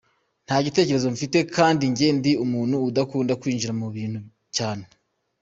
Nta gitekerezo mbifiteho kandi jye ndi umuntu udakunda kwinjira mu bintu cyane”.